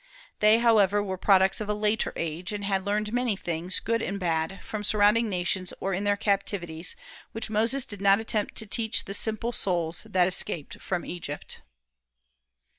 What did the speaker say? They, however, were products of a later age, and had learned many things good and bad from surrounding nations or in their captivities, which Moses did not attempt to teach the simple souls that escaped from Egypt.